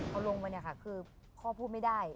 เอาลงไปเนี่ยค่ะคือพ่อพูดไม่ได้